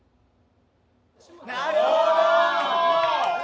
なるほど！